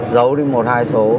giấu đi một hai số